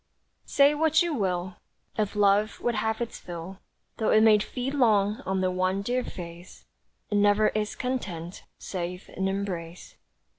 Say what you will, If love would have its fill, Though it may feed long on the one dear face, It never is content, save in embrace.